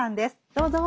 どうぞ。